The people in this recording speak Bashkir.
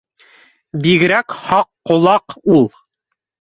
Бигерәк һаҡ ҡолаҡ ул